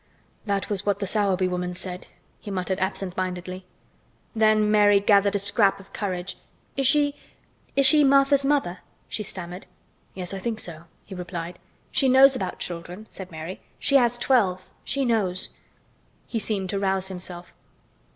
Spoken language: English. "That was what the Sowerby woman said," he muttered absent mindedly. Then Mary gathered a scrap of courage. "Is she—is she Martha's mother?" she stammered. "Yes, I think so," he replied. "She knows about children," said Mary. "She has twelve. She knows." He seemed to rouse himself.